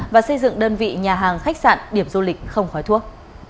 và xây dựng đơn vị nhà hàng khách sạn điểm du lịch không khói thuốc